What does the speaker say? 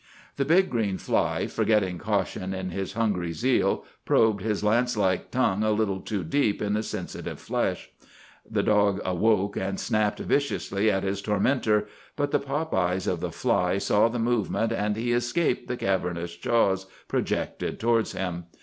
The big green fly, forgetting caution in his hungry zeal, probed his lance like tongue a little too deep in the sensitive flesh. The dog awoke and snapped viciously at his tormentor, but the pop eyes of the fly saw the movement, and he escaped the cavernous jaws projected towards him.